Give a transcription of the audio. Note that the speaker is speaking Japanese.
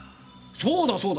そうだそうだ。